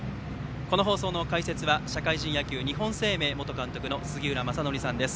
この放送の解説は社会人野球、日本生命元監督の杉浦正則さんです。